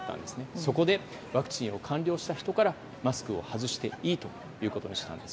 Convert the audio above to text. そこでワクチンの接種を完了した人からマスクを外していいことにしたんです。